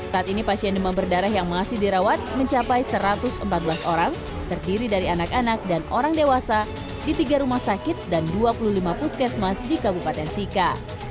saat ini pasien demam berdarah yang masih dirawat mencapai satu ratus empat belas orang terdiri dari anak anak dan orang dewasa di tiga rumah sakit dan dua puluh lima puskesmas di kabupaten sika